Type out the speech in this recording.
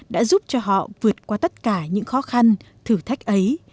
đã giúp cho họ vượt qua tất cả những khó khăn thử thách ấy